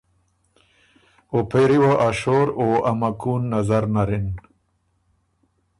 او پېری وه ا شور او ا مکُون نظر نر اِن۔